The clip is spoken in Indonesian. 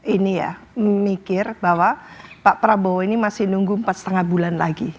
ini ya memikir bahwa pak prabowo ini masih nunggu empat lima bulan lagi